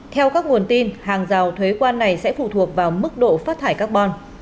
theo các nguồn tin hàng rào thuế quan này sẽ phụ thuộc vào mức độ phát thải carbon